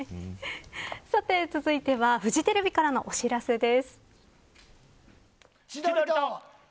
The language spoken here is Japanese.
さて続いてはフジテレビからのお知らせです。